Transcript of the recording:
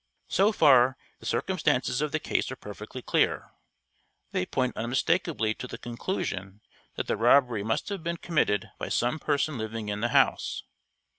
So far the circumstances of the case are perfectly clear. They point unmistakably to the conclusion that the robbery must have been committed by some person living in the house.